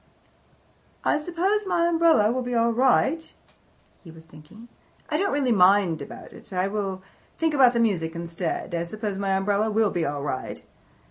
"I suppose my umbrella will be all right," he was thinking. "I don't really mind about it. I will think about music instead. I suppose my umbrella will be all right."